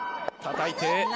たたいて。